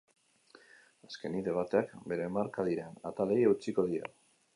Azkenik, debateak bere marka diren atalei eutsiko die.